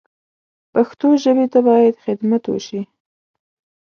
پښتو ژبې ته باید خدمت وشي